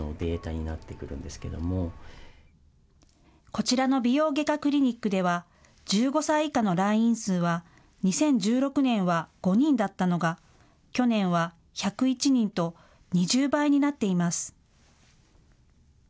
こちらの美容外科クリニックでは１５歳以下の来院数は２０１６年は５人だったのが去年は１０１人と２０倍になっています。